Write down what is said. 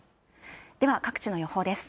では各地の予報です。